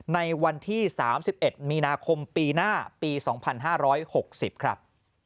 ในวันที่๓๑มีนาคมปีหน้าปี๒๕๖๐ครับ